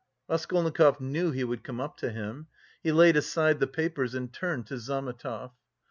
Raskolnikov knew he would come up to him. He laid aside the papers and turned to Zametov.